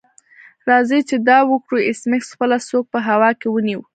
راځئ چې دا وکړو ایس میکس خپله سوک په هوا کې ونیو